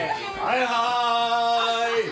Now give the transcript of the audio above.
はいはい！